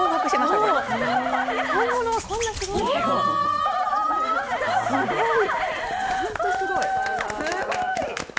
すごい！